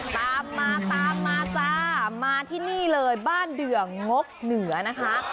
ตามมาตามมาจ้ามาที่นี่เลยบ้านเดืองกเหนือนะคะ